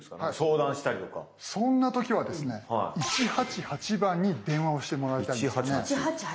そんな時はですね１８８番に電話をしてもらいたいんですね。